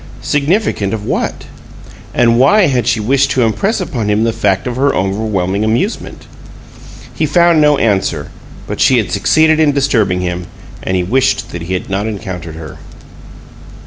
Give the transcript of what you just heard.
Significant of what? And why had she wished to impress upon him the fact of her overwhelming amusement? He found no answer, but she had succeeded in disturbing him, and he wished that he had not encountered her.